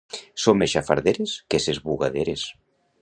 Són més xafarderes que ses bugaderes!